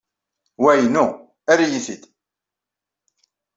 Wa inu. Err-iyi-t-id.